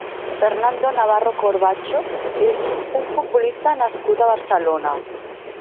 Fernando Navarro Corbacho és un futbolista nascut a Barcelona.